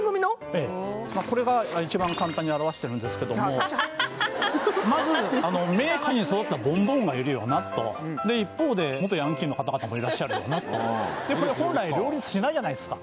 ええこれが一番簡単に表してるんですけどもまず名家に育ったボンボンがいるよなとで一方で元ヤンキーの方々もいらっしゃるよなとでこれ本来両立しないじゃないですか？